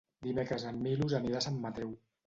Dimecres en Milos anirà a Sant Mateu.